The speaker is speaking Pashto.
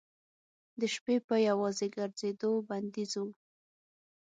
د شپې په یوازې ګرځېدو بندیز و.